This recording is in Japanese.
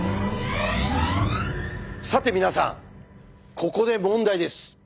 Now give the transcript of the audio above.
さて皆さんここで問題です。